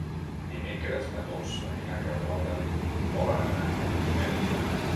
Dimecres na Dolça i na Carlota volen anar a Benimeli.